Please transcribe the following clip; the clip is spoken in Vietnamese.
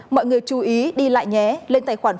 mọi người chú ý đi lại nhé lên tài khoản